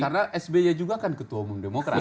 karena sby juga kan ketua umum demokrat